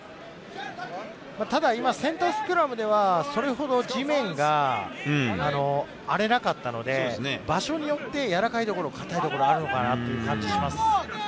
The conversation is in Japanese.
ただ今、センタースクラムではそれほど地面が荒れなかったので、場所によってやわらかいところ、硬いところがあるのかなという感じがします。